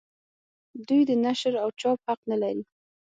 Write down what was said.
دوی د نشر او چاپ حق نه لري.